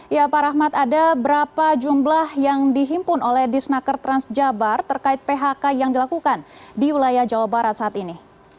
ya pak rahmat ada berapa jumlah yang dihimpun oleh dinas tenaga kerja dan transmigrasi jawa barat terkait phk yang dilakukan di wilayah jawa barat saat ini